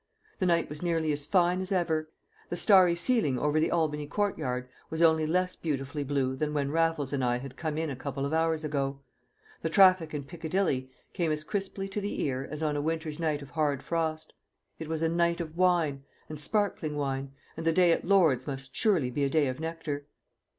The night was nearly as fine as ever. The starry ceiling over the Albany Courtyard was only less beautifully blue than when Raffles and I had come in a couple of hours ago. The traffic in Piccadilly came as crisply to the ear as on a winter's night of hard frost. It was a night of wine, and sparkling wine, and the day at Lord's must surely be a day of nectar.